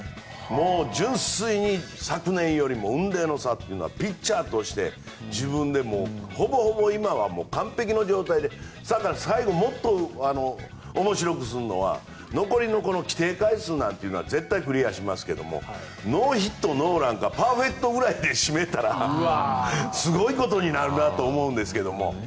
純粋に昨年よりも雲泥の差というのはピッチャーとして自分でほぼほぼ今は完璧の状態で最後、もっと面白くするのは残りの規定回数なんてのは絶対クリアしますけどノーヒット・ノーランでパーフェクトくらいで締めたらすごいことになるなと思うんですけども。